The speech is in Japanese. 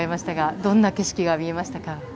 どんな景色が見えましたか？